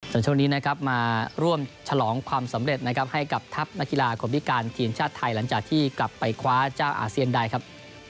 ส่วนช่วงนี้นะครับมาร่วมฉลองความสำเร็จนะครับให้กับทัพนักกีฬาคนพิการทีมชาติไทยหลังจากที่กลับไปคว้าเจ้าอาเซียนได้ครับ